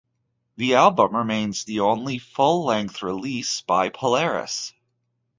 The album remains the only full-length release by Polaris.